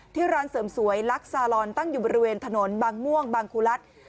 ร้านเสริมสวยลักษาลอนตั้งอยู่บริเวณถนนบางม่วงบางครูรัฐ